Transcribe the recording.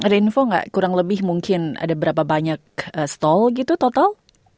ada info nggak kurang lebih mungkin ada berapa banyak stall gitu total